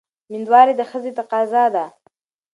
مېندواري د ښځې تقاضا ده.